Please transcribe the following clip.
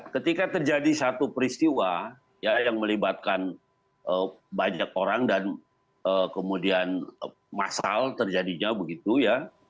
ketika terjadi satu peristiwa yang melibatkan banyak orang dan kemudian masal terjadinya begitu ya